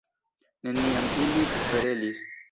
Neniam ili kverelis.